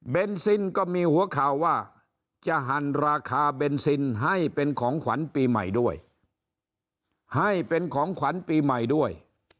ซินก็มีหัวข่าวว่าจะหั่นราคาเบนซินให้เป็นของขวัญปีใหม่ด้วยให้เป็นของขวัญปีใหม่ด้วย